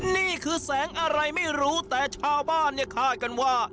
นี่คือแสงอะไรไม่รู้แต่ชาวบ้านเนี่ยคาดกันว่า